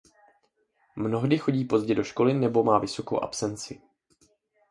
Mnohdy chodí pozdě do školy nebo má vysokou absenci.